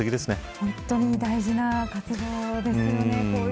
本当に大事な活動ですよね。